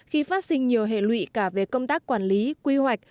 khi phát sinh nhiều hệ lụy cả về công tác quản lý quy hoạch